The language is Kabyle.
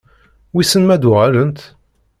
Wissen ma ad-uɣalent?